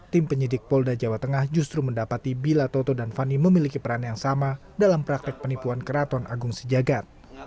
tim penyidik polda jawa tengah justru mendapati bila toto dan fani memiliki peran yang sama dalam praktek penipuan keraton agung sejagat